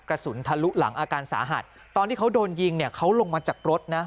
กระสุนทะลุหลังอาการสาหัสตอนที่เขาโดนยิงเนี่ยเขาลงมาจากรถนะ